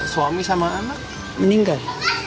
suami sama anak meninggal